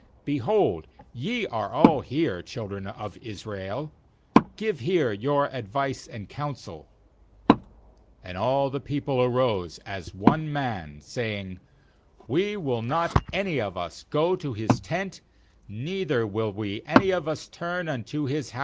7Beholdt ye are all here, children of Israel, give here your ad vice and counsel/ s 8And all the peo ple arose as one man, saying: ' We wiH not any of us go to his tent^ neither will we any of us turn unto his house.